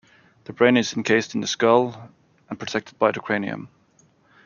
The brain is encased in the skull, and protected by the cranium.